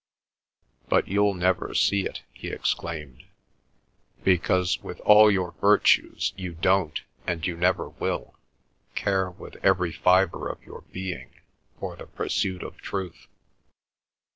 "But you'll never see it!" he exclaimed; "because with all your virtues you don't, and you never will, care with every fibre of your being for the pursuit of truth!